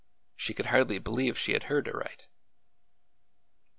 She could hardly believe she had heard aright.